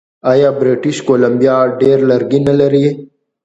آیا بریټیش کولمبیا ډیر لرګي نلري؟